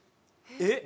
えっ？